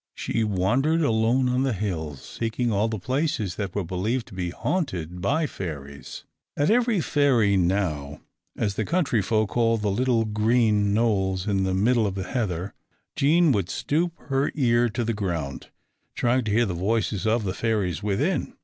She wandered alone on the hills, seeking all the places that were believed to be haunted by fairies. At every Fairy Knowe, as the country people called the little round green knolls in the midst of the heather, Jean would stoop her ear to the ground, trying to hear the voices of the fairies within.